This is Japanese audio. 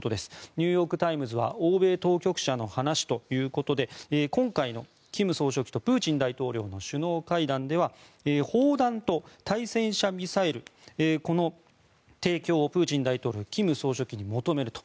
ニューヨーク・タイムズは欧米当局者の話ということで今回の金総書記とプーチン大統領の首脳会談では砲弾と対戦車ミサイルの提供をプーチン大統領は金総書記に求めると。